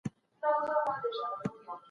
د سونډو تار جوړیږي